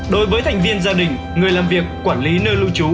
đối với thành viên gia đình người làm việc quản lý nơi lưu trú